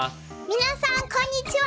皆さんこんにちは。